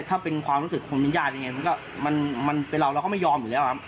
ถ้าเป็นความรู้สึกของมิญญาณมันเป็นราวแล้วก็ไม่ยอมอยู่แล้วครับ